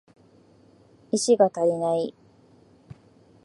石が足りない